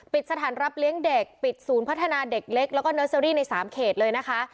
สถานรับเลี้ยงเด็กปิดศูนย์พัฒนาเด็กเล็กแล้วก็เนอร์เซอรี่ใน๓เขตเลยนะคะ